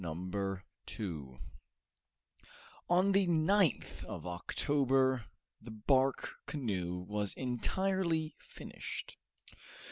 Chapter 2 On the 9th of October the bark canoe was entirely finished.